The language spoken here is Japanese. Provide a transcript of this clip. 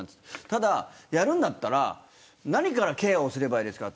ただ、やるんだったら何からケアをすればいいですか。